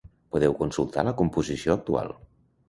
Podeu consultar la composició actual.